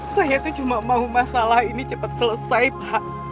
saya itu cuma mau masalah ini cepat selesai pak